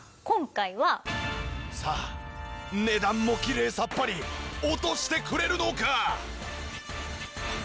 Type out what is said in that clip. さあ値段もきれいさっぱり落としてくれるのか！？